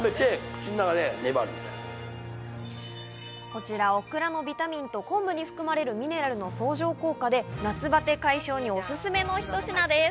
こちらオクラのビタミンと昆布に含まれるミネラルの相乗効果で、夏バテ解消におすすめのひと品です。